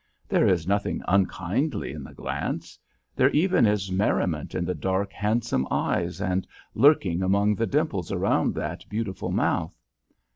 There is nothing unkindly in the glance. There even is merriment in the dark, handsome eyes and lurking among the dimples around that beautiful mouth.